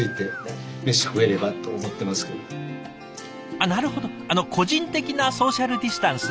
あっなるほど個人的なソーシャルディスタンス？